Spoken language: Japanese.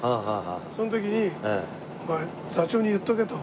その時に「お前座長に言っとけ」と。